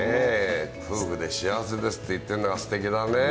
夫婦で幸せですって言ってるんだから、すてきだね。